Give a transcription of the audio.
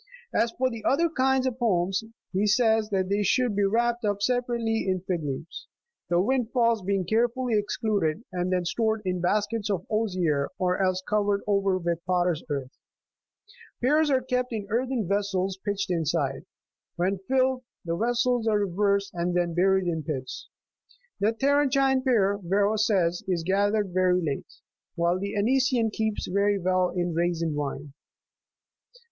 As for the other kinds of pomes, he says that they should be wrapped up separately in fig leaves, the windfalls being care fully excluded, and then stored in baskets of osier, or else covered over with potters' earth. Pears are kept in earthen vessels pitched inside ; when filled, the vessels are reversed and then buried in pits. The Tarentine pear, Varro says, is gathered very late, while the Anician keeps very well in raisin wine.